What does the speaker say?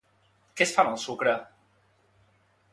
Què es fa amb el sucre?